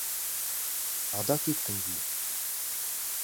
Адак иктым йӱ!